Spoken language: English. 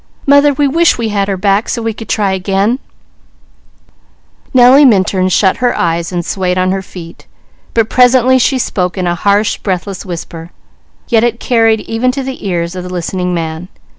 Mother, we wish we had her back so we could try again " Nellie Minturn shut her eyes and swayed on her feet, but presently she spoke in a harsh, breathless whisper, yet it carried, even to the ears of the listening man.